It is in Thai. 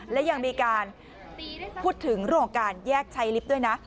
และยังมีการพูดถึงเรื่องของการแยกใช้ลิฟต์ด้วยนะ